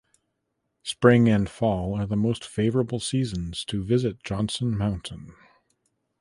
Spring and fall are the most favorable seasons to visit Johnson Mountain.